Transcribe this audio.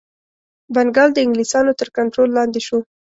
بنګال د انګلیسیانو تر کنټرول لاندي شو.